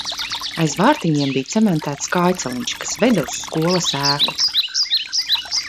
Aiz vārtiņiem bija cementēts kājceliņš, kas veda uz skolas ēku.